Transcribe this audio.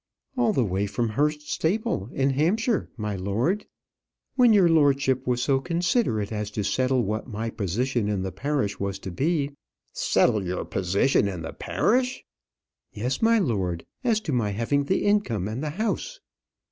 "All the way from Hurst Staple, in Hampshire, my lord. When your lordship was so considerate as to settle what my position in the parish was to be " "Settle your position in the parish!" "Yes, my lord as to my having the income and the house."